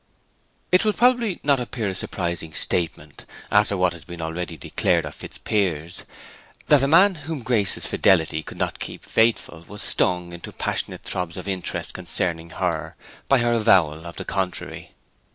It will probably not appear a surprising statement, after what has been already declared of Fitzpiers, that the man whom Grace's fidelity could not keep faithful was stung into passionate throbs of interest concerning her by her avowal of the contrary.